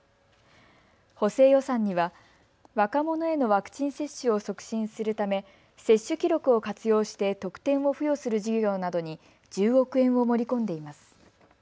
補正予算には若者へのワクチン接種を促進するため接種記録を活用して特典を付与する事業などに１０億円を盛り込んでいます。